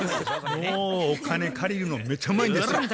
もうお金借りるのめちゃうまいんですよ。